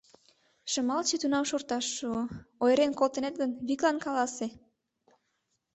Шымалче тунам шорташ шуо: «Ойырен колтынет гын, виклан каласе!